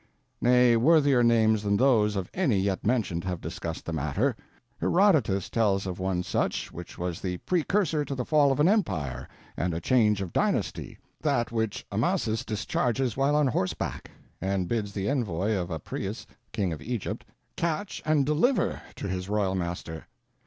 Nay, worthier names than those of any yet mentioned have discussed the matter. Herodotus tells of one such which was the precursor to the fall of an empire and a change of dynasty that which Amasis discharges while on horseback, and bids the envoy of Apries, King of Egypt, catch and deliver to his royal master.